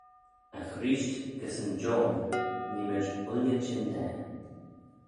Agh reesht gys yn joan nee mayd ooilley çhyndaa.